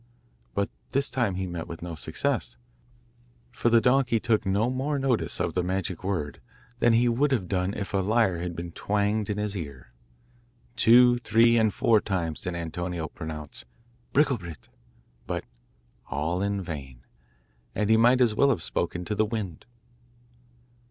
But this time he met with no success, for the donkey took no more notice of the magic word than he would have done if a lyre had been twanged in his ear. Two, three, and four times did Antonio pronounce 'Bricklebrit,' but all in vain, and he might as well have spoken to the wind.